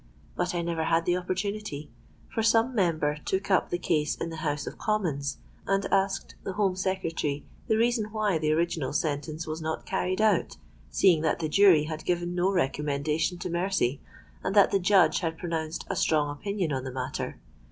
But I never had the opportunity; for some Member took up the case in the House of Commons, and asked the Home Secretary the reason why the original sentence was not carried out, seeing that the jury had given no recommendation to mercy, and that the judge had pronounced a strong opinion on the matter.